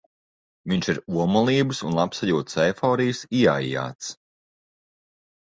Viņš ir omulības un labsajūtas eiforijas ieaijāts.